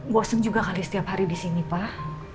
bosen juga kali setiap hari di sini pak